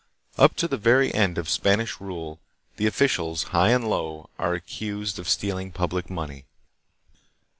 Up to the very end of Spanish rule the officials, high and low, are accused of stealing public money.